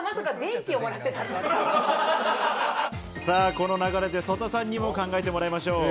この流れで曽田さんにも考えてもらいましょう。